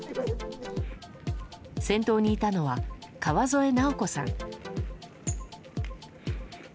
先頭にいたのは川添尚子さん。